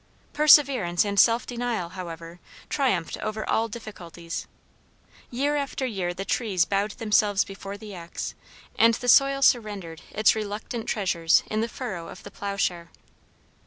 Perseverance and self denial, however, triumphed over all difficulties. Year after year the trees bowed themselves before the axe, and the soil surrendered its reluctant treasures in the furrow of the ploughshare.